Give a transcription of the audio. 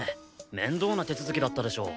面倒な手続きだったでしょ？